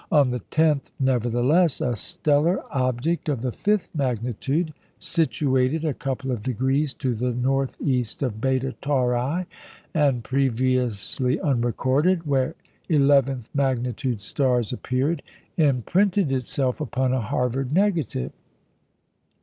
On the 10th, nevertheless, a stellar object of the fifth magnitude, situated a couple of degrees to the north east of Beta Tauri and previously unrecorded, where eleventh magnitude stars appeared, imprinted itself upon a Harvard negative.